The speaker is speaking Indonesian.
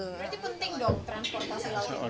berarti penting dong transportasi laut